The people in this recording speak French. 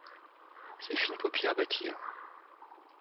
Ses fines paupières battirent.